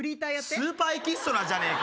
スーパーエキストラじゃねえか！